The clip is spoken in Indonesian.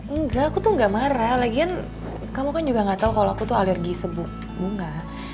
enggak aku tuh gak marah lagian kamu kan juga nggak tahu kalau aku tuh alergi sebuah bunga